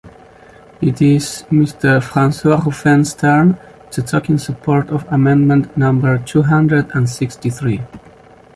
It is Mr François Ruffin’s turn to talk in support of amendment number two hundred and sixty-three.